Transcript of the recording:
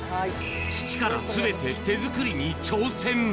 土からすべて手作りに挑戦。